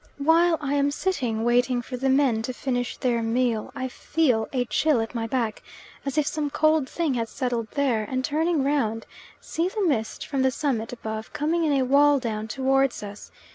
While I am sitting waiting for the men to finish their meal, I feel a chill at my back, as if some cold thing had settled there, and turning round, see the mist from the summit above coming in a wall down towards us.